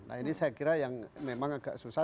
nah ini saya kira yang memang agak susah